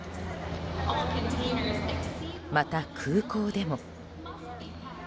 また、空港でも。